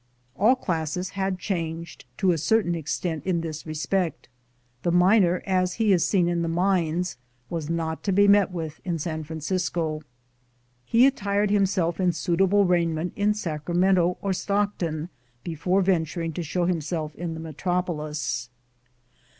All classes had changed, to a certain extent, in this respect. The miner, as he is seen in the mines, was not to be met with in San Francisco ; he attired himself in suitable raiment in Sacramento or Stockton before venturing to show himself in the metropolis.